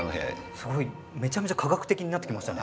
すごいめちゃめちゃ科学的になってきましたね。